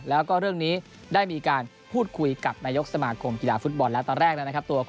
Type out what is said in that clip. แล้วก็เรื่องนี้ได้มีการพูดคุยกับนายกสมาคมกีฬาฟุตบอลแล้วตอนแรกนะครับ